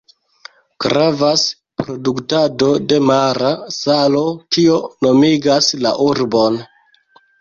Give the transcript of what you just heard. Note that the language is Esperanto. Gravas produktado de mara salo, kio nomigas la urbon.